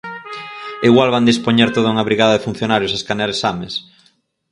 ¡Igual van dispoñer toda unha brigada de funcionarios a escanear exames!